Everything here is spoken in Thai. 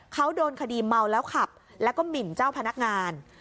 เขาโดนคดีเมาแล้วขับแล้วก็หมินเจ้าพนักงาน